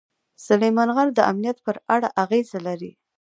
سلیمان غر د امنیت په اړه اغېز لري.